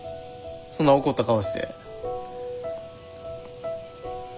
そんな怒った顔して。